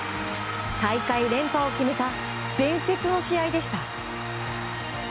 大会連覇を決めた伝説の試合でした。